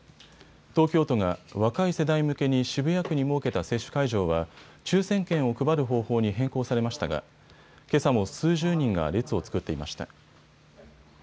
東京都が若い世代向けに渋谷区に設けた接種会場は抽せん券を配る方法に変更されましたがけさも数十人が列を作っていました。